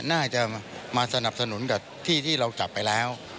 น่าจะมาสนับสนุนกับที่ที่เราจับไปแล้ว